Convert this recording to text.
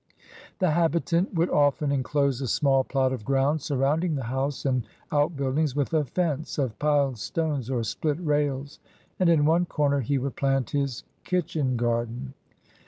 The habitant would often enclose HOW THE PEOPLE LIVED 209 a small plot of ground surrounding the house and outbuildings with a fence of piled stones or split rails, and in one comer he would plant his kitchen garden.